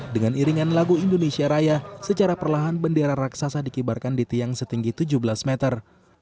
dengan iringan lagu indonesia raya secara perlahan bendera raksasa dikibarkan di tiang setinggi tujuh belas meter